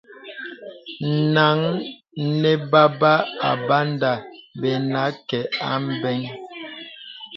Nang nə̀ bābà Abanda bə̀ nâ kə̀ abə̀ŋ.